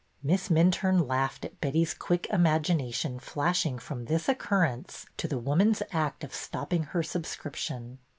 Miss Minturne laughed at Betty's quick im agination flashing from this occurrence to the woman's act of stopping her subscription.